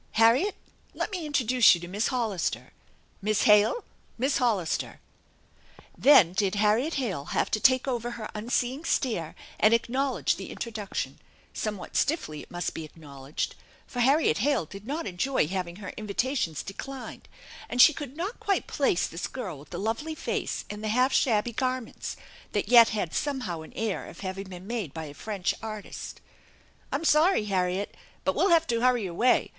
Harriet, let me introduce you to Miss Hollister. Miss Hale, Miss Hollister !" Then did Harriet Hale have to take over her unseeing stare and acknowledge the introduction; somewhat stiffly, it imust be acknowledged, for Harriet Hale did not enjoy having her invitations declined, and she could not quite place this girl with the lovely face and the half shabby garments, that yet had somehow an air of having been made by a French artist. " I'm sorry, Harriet, but we'll have to hurry away.